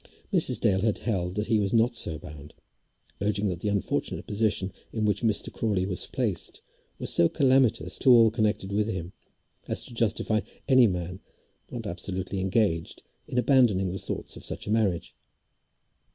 Mrs. Dale had held that he was not so bound, urging that the unfortunate position in which Mr. Crawley was placed was so calamitous to all connected with him, as to justify any man, not absolutely engaged, in abandoning the thoughts of such a marriage.